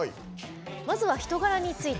まずは人柄について。